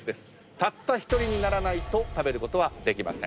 たった１人にならないと食べることはできません。